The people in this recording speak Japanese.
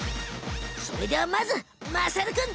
それではまずまさるくん。